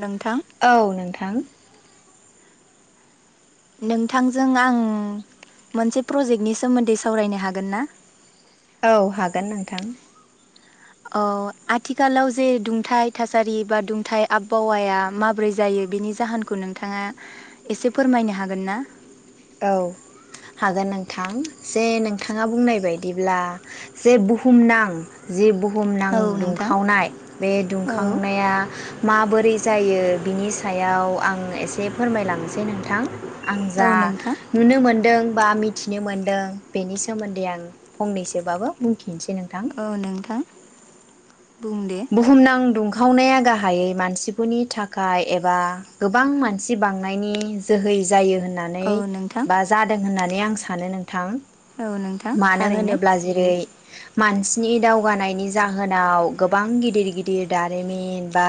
नोंथां औ नोंथां । नोंथांजों आं मोनसे प्रजेकनि सोमोन्दै सावरायनो हागोन ना? औ हागोन नोंथां। अ आथिखालाव जे दुंथाइ थासारि बा दुंथाइ आबहावाया माब्रै जायो बेनि जाहोनखौ नोंथाङा एसे फोरमायनो हागोन ना? औ हागोन नोंथां जे नोंथाङा बुंनाय बायदिब्ला जे बुहुमनां जे बुहु बुहुमनां औ नोंथां दुंखावनाय बे औ दुंखांनाया माबोरै जायो बिनि सायाव आं एसे फोरमायलांनोसै नोंथां आं औ जा नोंथां नुनो मोनदों बा मिथिनो मोनदों बेनि सोमोन्दै आं फंनैसोबाबो बुं ओ नोंथां । बुहुमनां दुं खावनाया गाहायै मानसिफोरनि थाखाय एबा गोबां मानसि बांनायनि जोहै जायो होन औ होननानै नोंथां बा जादों होनना ए आं सानो नोंथां । औ नोंथां मानो थारैनो होनोब्ला जेरै मानसिनि दावगानायनि जाहोनाव गोबां गिदिर गिदिर दारिमिन बा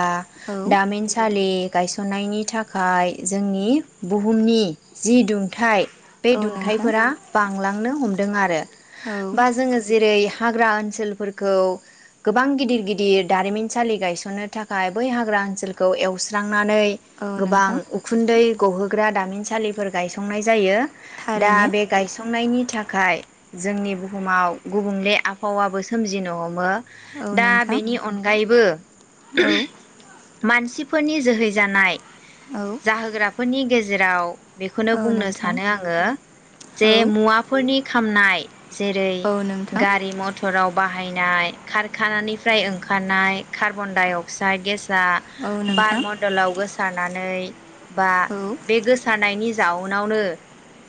औ दामिन सलि गायसननायनि थाखाय जोंनि बुहुमनि जि दुंथाय बे औ नोंथां दुंथाइफोरा बांलांनो हम दों आरो औ बा जोङो जेरै हाग्रा ओनसोलफोरखौ गोबां गिदिर गिदिर दारिमिनसालि गायसननो थाखाय बै हाग्रा ओनसोलखौ एवस्रां नानै औ गोबां नोंथां उखुन्दै गहोग्रा दामिनसालिफोर गायसंनाय जायो । दा थारैनो बे गायसंनायनि थाखाय जोंनि बुहुमाव गुबुंले आबहावाबो सोमजिनो हमो औ दा नोंथां । बेनि अनगायैबो मानसि फोरनि जोहै जानाय औ जाहोग्राफोरनि गेजेराव जेराव बेखौनो औ बुंनो नोंथां सानो आङो जे औ मुवाफोरनि खामनाय। जेरै औ नोंथां गारि मथराव बाहायनाय खारखानि फ्राय ओंखारनाय कार्बन डाइ अक्साइड गेस। फ्रा औ बार नोंथां मन्डलाव गोसार नानै। बा औ बे गोसारनायनि जाउनावनो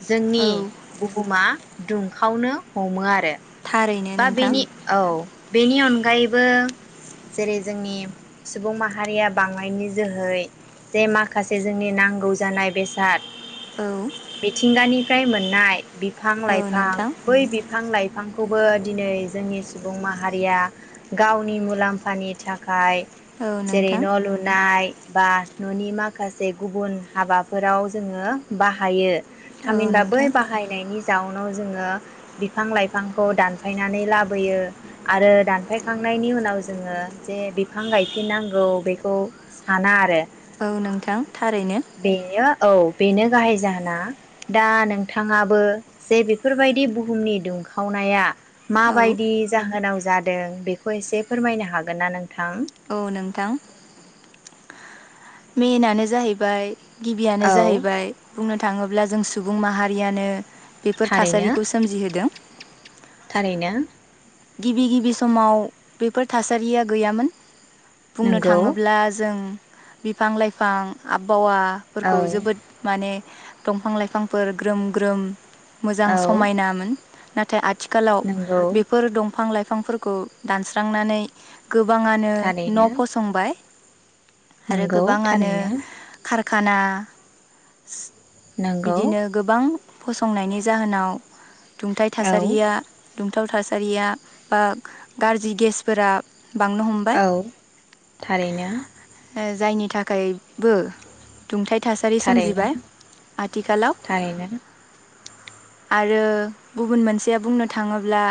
जोंनि औ बुहुमा दुंखावनो हमो आरो। थारैनो बा नोंथां बेनि औ बेनि अनगायैबो जेरै जोंनि सुबुं माहारिया बांनायनि जोहै जे माखासे जोंनि नांगौ जानाय बेसाद औ मिथिंगानिफ्राय मोननाय बिफां औ लाइ फां नोंथां बै बिफां लाइ फांखौ बो दिनै जोंनि सुबुं माहारिया गावनि मुलाम्फानि थाखाय। औ जेरै नोंथां न' लुनाय। बा न'नि माखासे गुबुन हाबाफोराव जोङो बाहायो औ थामहिनबा बै नोंथां बाहायनायनि जाउनाव जोङो बिफां लाइफां खौ दानफायनानै लाबोयो आरो दानफायखांनायनि उनाव जोङो जे बिफां गायफिननांगौ बेखौ साना आरो। औ नोंथां थारैनो। बेयो औ बेनो गाहाय जाहोना दा नोंथाङाबो जे बेफोरबायदि बुहुमनि दुं खावनाया। औ माबायदि जा होनाव जादों बेखौ एसे फोरमायनो हागोन ना नोंथां? औ नोंथां। मेनानो जाहैबाय गिबियानो औ जाहैबाय बुंनो थाङोब्ला जों सुबुं माहारियानो बेफोर थारैनो थासारिखौ सोमजिहोदों। थारैनो। गिबि गिबि समाव बेफोर थासारिया गैयामोन। बुंनो नंगौ थाङोब्ला जों। बिफां लाइफां आबहावा। फोरखौ औ जोबोद माने दंफां लाइफांफोर ग्रोम ग्रोम। मोजां औ समायनामोन। नाथाय आथि खालाव नंगौ बेफोर दं फां लाइफांफोरखौ दानस्रांनानै। गोबाङानो थारैनो न' फसंबाय। आरो नंगौ गोबाङानो थारैनो खार खाना नंगौ बिदिनो गोबां फसंनायनि जाहोनाव दुंथाइ औ थासारिया दुं थाव थासारिया बा गारजि गेसफोरा। बांनो हमबाय औ थारैनो। जायनि थाखाय बो दुंथाय था थारैनो सोमजिबाय आथिखालाव। थारैनो आरो गुबुन मोनसेया बुंनो थाङोब्ला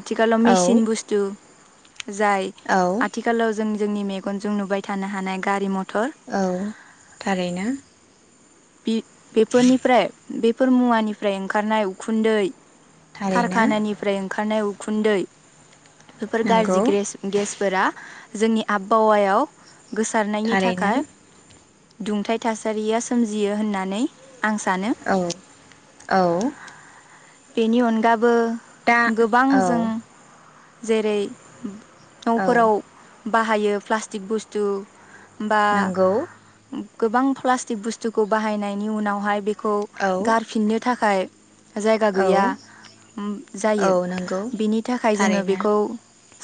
आथिखालाव औ मेसिन बुस्थु जाय औ आथिखालाव जोंनि जोंनि मेगनजों नुबाय थानो हानाय गारि मथ औ थारैनो। बि बेफोरनिफ्राय बेफोर मुवानिफ्राय ओंखारनाय उखुन्दै थारैनो कारखानानिफ्राय ओंखारनाय उ खुन्दै। बेफोर गाज्रि नंगौ ग्रेस गेस। फोरा जोंनि आबबावायाव गोसारनायनि थारैनो थाखाय दुंथाइ थास सारिया सोमजियो होननानै सानो औ औ। बेनि अनगाबो दा गोबां औ जों जेरै औ न'फोराव बाहायो प्लास्टिक बुस्थु बा नंगौ गोबां प्लास्टिक बुस्थुखौ बाहायनायनि उनावहाय बे खौ औ गारफिननो थाखाय औ गैया औ जायो नंगौ बेनि थाखाय जोङो थारैनो बेखौ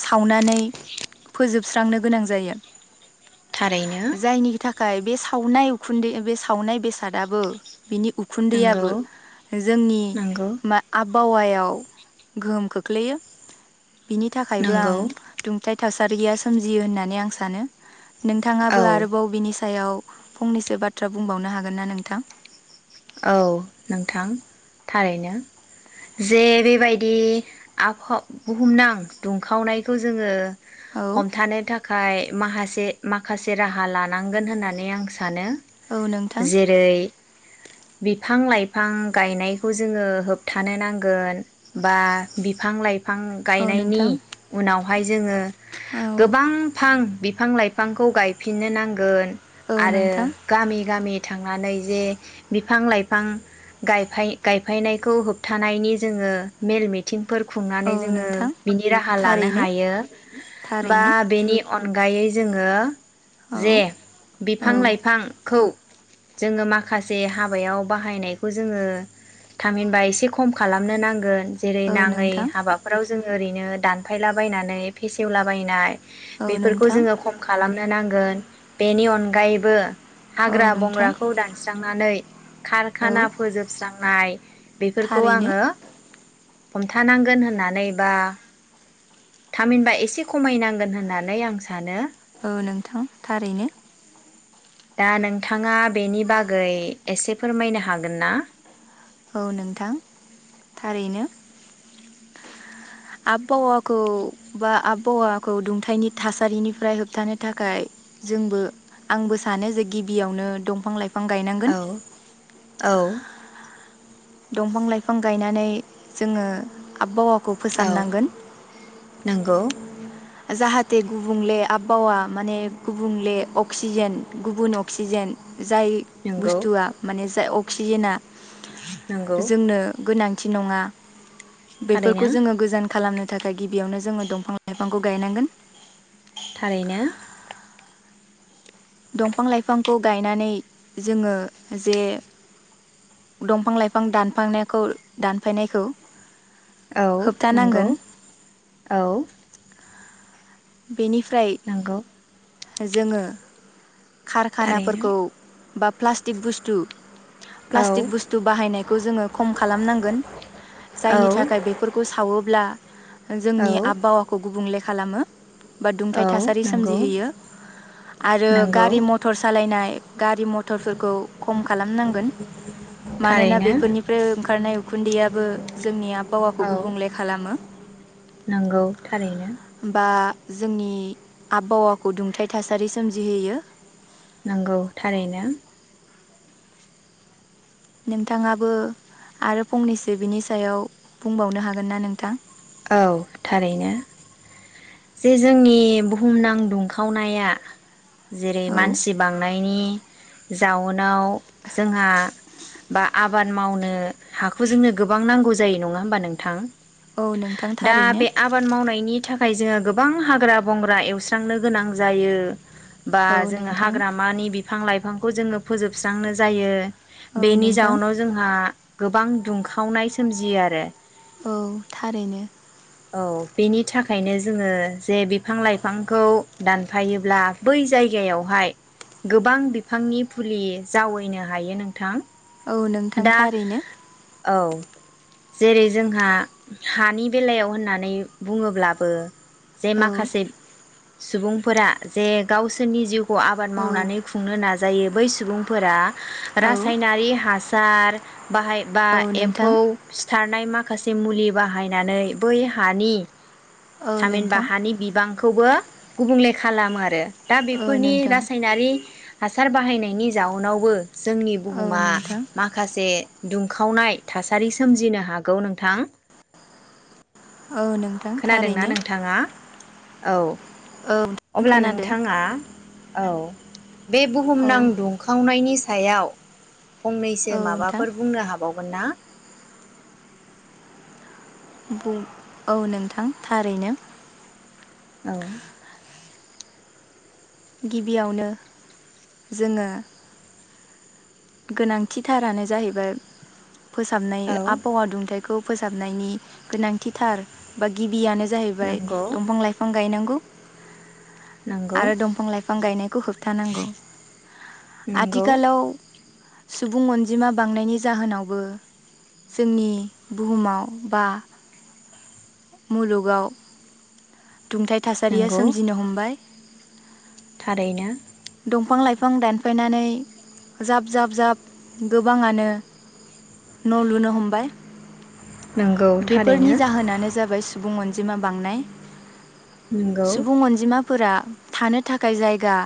सावनानै फोजोब सुस्रांनो गोनां जायो थारैनो जायनि थाखाय बे सावनाय उखुन्दै बे सावनाय बेसादाबो बिनि नंगौ उखुन्दैयाबो जोंनि नंगौ आबहावायाव गोहोम खोख्लैयो बिनि थाखायबो आं नंगौ दुंथाय थासा [unintelligible] सोमजियो होननानै आं सानो नोंथाङाबो औ आरोबाव बिनि साय सायाव फंनैसो बाथ्रा बुंबावनो हागोन ना नोंथां औ नोंथां थारैनो जे बेबायदि आफाव बुहुमनां दुंखावनायखौ जोङो औ हमथानो थाखाय माहासे-माखासे राहा लानांगोन होननानै आं सानो औ नोंथां जेरै बिफां लाइफां गायनायखौ जोङो होबथानो नांगोन बा बिफां लाइफां बिफां औ गायनायनि नोंथां उनाव हाय जोङो औ गोबां फां बिफां लाइफांखौ गायफिननो नांगोन औ आरो नोंथां गामि गामि थांनानै जे बिफां लाइफां गायफायनायखौ होबथानायनि जोङो मेल मिथिं फोर औ खुंनानै जोङो नोंथां बिनि राहा लानो थारैनो हायो बा थारैनो बेनि अनगा अनगायै जोङो औ जे औ बिफां लाइफां खौ जोङो माखासे से हाबायाव बाहायनायखौ जोङो थामहिनबा एसे खम खालामनो नांगोन। जेरै औ नाङै नोंथां हाबाफोराव जोङो ओरैनो दानफायलाबायनानै फेसेवलाबायनाय औ बेफोरखौ नोंथां जोङो खम खालाम नो नांगोन बेनि अनगायैबो औ हाग्रा नोंथां बंग्राखौ दान दांनानै औ खारखाना फोजोबस्रां नाय बेफोरखौ थारैनो आङो हमथानांगोन होननानै बा थामहिनबा एसे खमायनांगोन होननानै आं सानो। औ नोंथां थारैनो। दा नोंथाङा बेनि बागै एसे फोरमायनो हागोन ना? औ नोंथां थारैनो । आबबावाखौ बा आबबावाखौ दुंथायनि थासारिनिफ्राय होबथानो थाखाय जोंबो आंबो सानो जे गिबियावनो दंफां लाइ औ औ दंफां लाइफां गायनानै जोङो आबबावा खौ औ फोसाबनांगोन। [inaudible] जाहाते गुबुंले आबबावा माने गुबुंले अक्सिजेन गुबुन अक्सिजेन जाय नंगौ बुस्टुआ माने जाय अक्सिजेना नंगौ जोंनो गोनां थि नङा बेफोरखौ थारैनो जोङो गोजान खालामनो थाखाय गिबियावनो जोङों दंफां लाइ फांखौ गायनांगोन। थारैनो। दंफां लाइफांखौ गायनानै जोङो जे दंफां लाइफां दानफांनायखौ दानफायनायखौ औ नोंगौ होबथानांगोन औ। बेनिफ्राय नंगौ जोङो थारैनो खारखानाफोरकौ बा प्लास्टिक बुस्टु औ प्लास्टिक बुस्टु बाहायनायखौ जोङो खम खालामनांगोन, जायनि औ थाखाय बेफोरखौ सावोब्ला जोंनि औ आबबावाखौ गुबुंले खालामो बा दुंथाइ औ थासारि नंगौ सोमजिहोयो आरो नंगौ गारि मथर सालायनाय गारि मथरफोरखौ खम खालामनांगोन मानोना थारैनो बेफोरनिफ्राय ओंखारनाय उखुन्दैयाबो जोंनि आबहावाखौ गुबुंले खालामो। नोंगौ थारैनो। बा जोंनि आबहावाखौ दुंथाइ थासारि सोमजिहोयो। नोंगौ थारैनो। नोंथाङाबो आरो फंनैसो बिनि सायाव बुंबावनो हागोन ना नोंथां? औ थारैनो जे जोंनि बुहुमनां दुंखावनाया जेरै औ मानसि बांनायनि जाउनाव जोंहा बा आबाद मावनो हाखौ जोंनो गोबां नांगौ जायो नङा होमबा नोंथां? औ नोंथां दा थारैनो बे आबाद मावनायनि थाखाय जोङो गोबां हाग्रा बंग्रा एवस्रांनो गोनां जायो। बा औ जों नोंथां हाग्रामानि बिफां लाइ फांखौ जोङो फोजोबस्रांनो जायो। औ बेनि नोंथां जाउनाव जोंहा गोबां दुंखावनाय सोमजियो आरो। औ थारैनो। औ बेनि थाखायनो जोङो जे बिफां लाइफांखौ दानफायोब्ला बै जायगायावहाय गोबां बिफांनि फुलि जावैनो हायो नोंथां। औ नोंथां दा थारैनो औ। जेरै जोंहा हानि बेलायाव होननानै बुङोब्लाबो जे औ माखासे सुबुंफोरा जे गावसोरनि जिउ खौ आबाद औ मावनानै खुंनो नाजायो। बै सुबुंफोरा औ रासायनारि हासार बाहायबा औ नोंथां एम्फौ सिथारनाय मा माखासे मुलि बाहायनानै बै हानि औ थामहिनबा नोंथां हानि बिबां खौबो गुबुंले खालामो आरो। दा औ बेफोरनि नोंथां रासायनारि हा सार बाहायनायनि जाउनावबो जोंनि औ बुहुमा नोंथां माखासे दुंखावनाय थासारि सोमजिनो हागौ नोंथां। औ नोंथां खोनादोंना थारैनो नोंथाङा? औ। औ अब्ला खोनादो नोंथाङा औ। बे औ बुहुमनां दुंखावनायनि। सायाव। फंनैसो औ नोंथां माबाफोर बुंनो हाबावगोन ना? बु औ नोंथां थारैनो। औ। गिबियावनो जोङो। गोनांथिथारानो जाहैबाय। फोसाबनाय औ आबहावा दुंथाय। खौ फोसाबनायनि गोनांथिथार बा गिबियानो जाहैबाय नंगौ दंफां लाइफां गायनांगौ। नंगौ आरो दंफां लाइफां गायनायखौ होबथानांगौ नंगौ आथिखालाव सुबुं अनजिमा बांनायनि जाहोनावबो जोंनि बुहुमाव बा मुलुगाव। दुंथाइ थासारिया नंगौ सोमजिनो हमबाय। थारैनो। दंफां लाइफां दानफायनानै जाब जाब जाब गोबाङानो न' लुनो हमबाय। नंगौ थारैनो बेफोरनि जाहोनानो जाबाय सुबुं अन जिमा बांनाय। नंगौ सुबुं अनजिमा फोरा थानो थाखाय जायगा।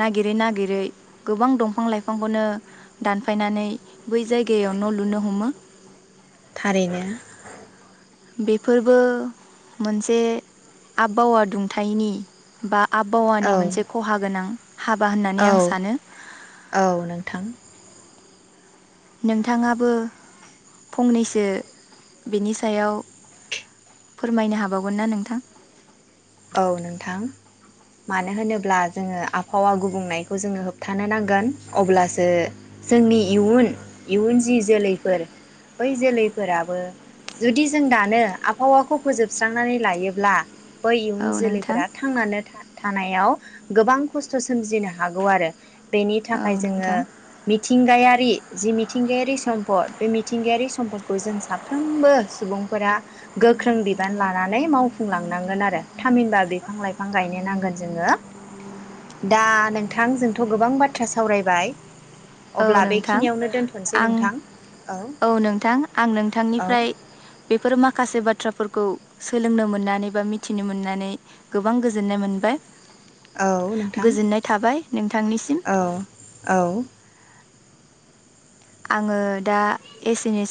नागिरै नागिरै गोबां दंफां लाइफांखौनो दानफायनानै बै जायगायाव न' लुनो हमो। थारैनो। बेफोरबो मोनसे आबहावा दुंथायनि बा आबहावानि औ मोनसे खहा गोनां। हाबा होननानै आं औ सानो औ नोंथां। नोंथाङाबो फंनैसो बेनि सायाव फोरमायनो हाबावगोन ना नोंथां? औ नोंथां मानो होनोब्ला जोङो आबहावा गुबुंनायखौ जोङो होबथानो नांगोन अब्लासो जोंनि इयुन इयुन जि जोलैफोर बै जोलैफोराबो जुदि जों दानो आबहावाखौ फोजोबस्रांनानै लायोब्ला। बै इयुन औ नोंथां जोलैफोरा थांनानै था थानायाव गोबां खस्थ' सोमजिनो हागौ आरो। बेनि औ थाखाय जोङो नोंथां मिथिंगाया। यारि जि मिथिंगायारि सम्पद बे मिथिंगायारि सम्पदखौ जों साफ्रोमबो सुबुंफोरा गोख्रों बिबान लानानै मावफुंलांनांगोन आरो। थामहिनबा बिफां लाइफां गायनो नांगोन जोङो दा नोंथां जोंथ' गोबां बाथ्रा सावरायबाय। औ अब्ला नोंथां बेखिनियावनो दोनथ'नोसै आं नोंथां औ नोंथां आं औ नोंथांनिफ्राय बेफोर माखासे बाथ्रा फोरखौ सोलोंनो मोननानै बा मिथिनो मोननानै गोबां गोजोननाय मोनबाय। औ नोंथां गोजोननाय थाबाय नोंथांनिसिम औ औ। आङो दा [unintelligible]